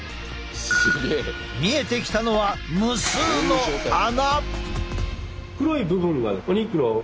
見えてきたのは無数の穴！